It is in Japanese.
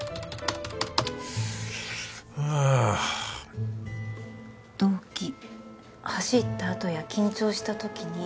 あ「動悸走ったあとや緊張したときに」